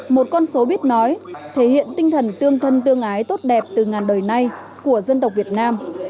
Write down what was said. một con số biết nói thể hiện tinh thần tương thân tương ái tốt đẹp từ ngàn đời nay của dân tộc việt nam